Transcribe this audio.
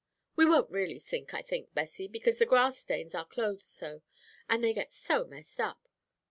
We won't really sink, I think, Bessie, because the grass stains our clothes so, and they get so mussed up.